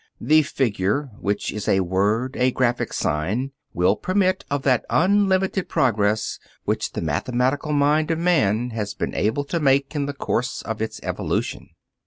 The figure, which is a word, a graphic sign, will permit of that unlimited progress which the mathematical mind of man has been able to make in the course of its evolution.